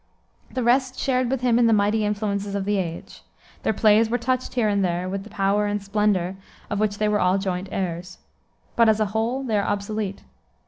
The rest shared with him in the mighty influences of the age. Their plays are touched here and there with the power and splendor of which they were all joint heirs. But, as a whole, they are obsolete.